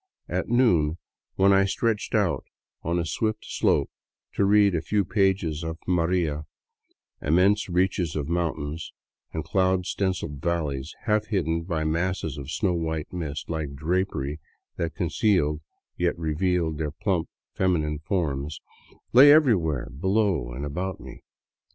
At noon, when I stretched out on a swift slope to read a few pages of " Maria," immense reaches of mountains and cloud stenciled valleys, half hidden by masses of snow white mist, like drapery that concealed yet revealed their plump, feminine forms, lay everywhere below and about me.